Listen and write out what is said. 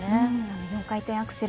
４回転アクセル